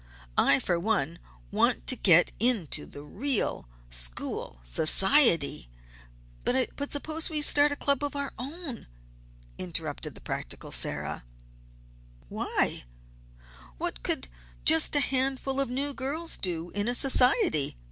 I, for one, want to get into the real school society " "But suppose we start a club of our own?" interrupted the practical Sarah. "Why, what could just a handful of new girls do in a society?